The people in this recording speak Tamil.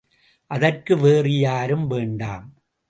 அதற்கு வேறு யாரும் வேண்டாம்.